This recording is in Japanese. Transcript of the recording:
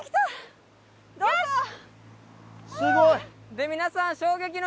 すごい！